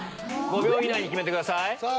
５秒以内に決めてください。